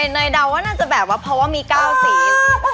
เนยเดาว่าน่าจะแบบว่าเพราะว่ามี๙สี